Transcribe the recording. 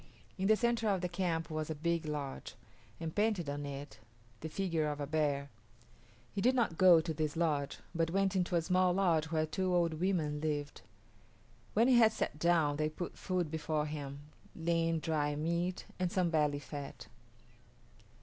In the centre of the camp was a big lodge, and painted on it the figure of a bear. He did not go to this lodge, but went into a small lodge where two old women lived. When he had sat down they put food before him lean dried meat and some belly fat.